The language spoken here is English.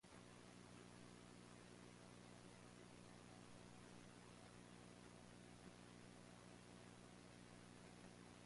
Reclosers address this problem by further dividing up the network into smaller sections.